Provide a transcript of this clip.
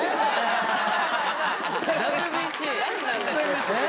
ＷＢＣ。